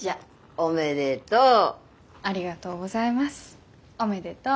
おめでとう。